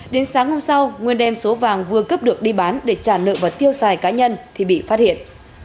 đến sáng hôm sau nguyên đem số vàng vừa cướp được đi bán để trả nợ và tiêu xài cá nhân thì bị phát hiện